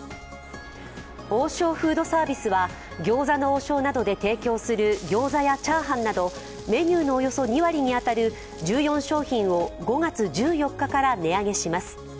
王将フードサービスは、餃子の王将などで提供する餃子やチャーハンなどメニューのおよそ２割に当たる１４商品を５月１４日から値上げします。